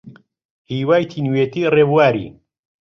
هیوای تینوێتی ڕێبواری